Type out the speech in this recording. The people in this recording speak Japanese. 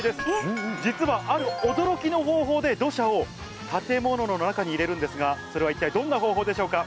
実はある驚きの方法で土砂を建物の中に入れるんですがそれは一体どんな方法でしょうか？